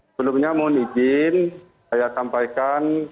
sebelumnya mohon izin saya sampaikan